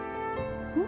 うん？